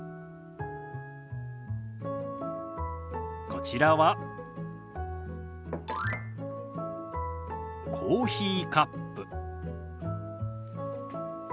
こちらはコーヒーカップ。